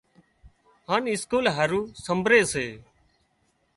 هانَ اسڪول هارو سمڀري سي۔